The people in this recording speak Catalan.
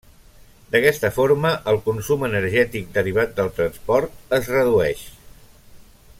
D'aquesta forma, el consum energètic derivat del transport es redueix.